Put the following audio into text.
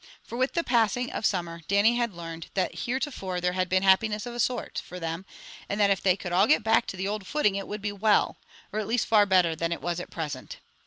For with the passing of summer, Dannie had learned that heretofore there had been happiness of a sort, for them, and that if they could all get back to the old footing it would be well, or at least far better than it was at present.